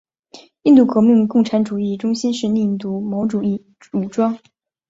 印度革命共产主义中心是印度的毛主义武装。